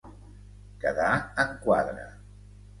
Quedar en quadre.